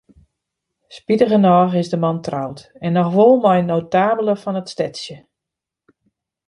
Spitigernôch is de man troud, en noch wol mei in notabele fan it stedsje.